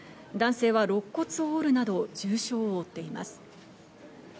男性は肋骨を折るなど重傷を負っています。